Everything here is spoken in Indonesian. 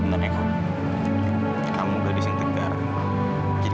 emang kan kalung ini tuh sangat menyenangkan